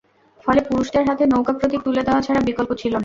ফলে পুরুষদের হাতে নৌকা প্রতীক তুলে দেওয়া ছাড়া বিকল্প ছিল না।